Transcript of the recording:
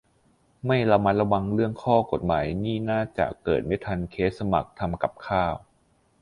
ไม่ระมัดระวังเรื่องข้อกฎหมายนี่น่าจะเกิดไม่ทันเคสสมัครทำกับข้าว